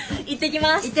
いってきます。